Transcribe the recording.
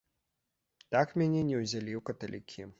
Так мяне не ўзялі ў каталікі.